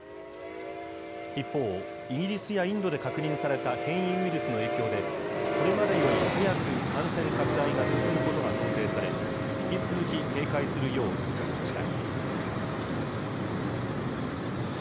一方、イギリスやインドで確認された変異ウイルスの影響で、これまでより早く感染拡大が進むことが想定され、引き続き警戒するよう呼びかけました。